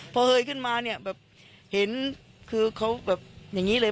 พอเฮยขึ้นมาเนี่ยแบบเห็นคือเขาแบบอย่างนี้เลย